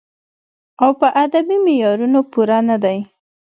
او پۀ ادبې معيارونو پوره نۀ دی